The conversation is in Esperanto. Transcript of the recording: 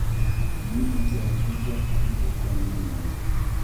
Mi interesiĝas pri ekonomio.